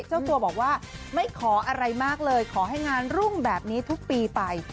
เจ้าตัวบอกว่าไม่ขออะไรมากเลยขอให้งานรุ่งแบบนี้ทุกปีไป